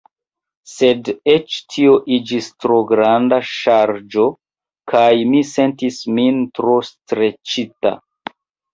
Sed eĉ tio iĝis tro granda ŝarĝo kaj mi sentis min tro streĉita.